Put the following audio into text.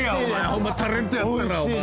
ホンマタレントやったらお前。